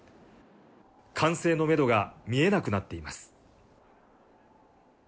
完成のメドが見えなくなっています。